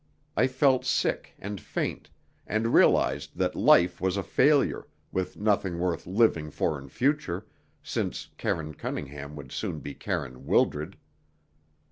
I felt sick and faint, and realised that life was a failure, with nothing worth living for in future, since Karine Cunningham would soon be Karine Wildred.